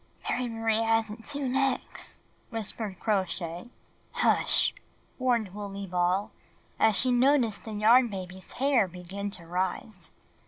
"Mary Marie hasn't two necks/' whispered Crow Shay. "Hush!" warned Wooley Ball as she noticed the Yarn Baby's hair begin to rise.